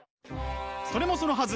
それもそのはず！